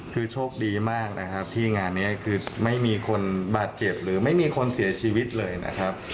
คือโชคดีมากนะครับที่งานนี้คือไม่มีคนบาดเจ็บหรือไม่มีคนเสียชีวิตเลยนะครับ